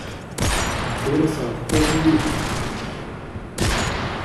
Ur as-reqquɣ i yiwen.